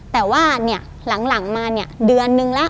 แต่ว่าเนี่ยหลังมาเนี่ยเดือนนึงแล้ว